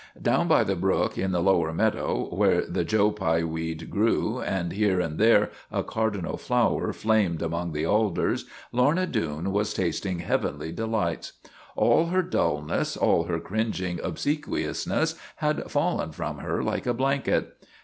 Down by the brook in the lower meadow, where the Joe Pye weed grew, and here and there a car dinal flower flamed among the alders, Lorna Doone was tasting heavenly delights. All her dullness, all her cringing obsequiousness had fallen from her like a blanket.